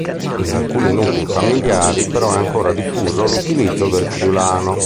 In alcuni nuclei familiari però è ancora diffuso l'utilizzo del friulano.